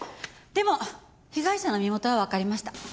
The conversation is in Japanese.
でも被害者の身元はわかりました。